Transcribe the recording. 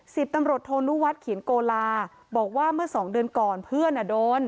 สิบตำรวจโทนุวัฒน์เขียนโกลาบอกว่าเมื่อสองเดือนก่อนเพื่อนอ่ะโดน